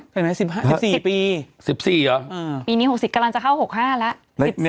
เห็นไหม๑๕๑๔ปี๑๔เหรอปีนี้๖๐กำลังจะเข้า๖๕แล้ว